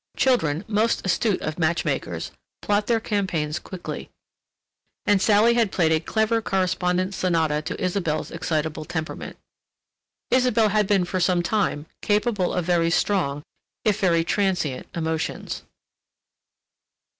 Children, most astute of match makers, plot their campaigns quickly, and Sally had played a clever correspondence sonata to Isabelle's excitable temperament. Isabelle had been for some time capable of very strong, if very transient emotions....